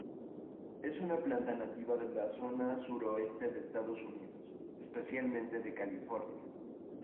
Es una planta nativa de la zona suroeste de Estados Unidos, especialmente de California.